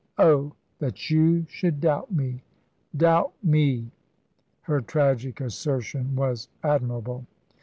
Oh, that you should doubt me doubt me!" Her tragic assertion was admirable.